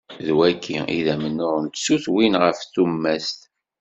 D wagi i d amennuɣ n tsutwin ɣef tumast.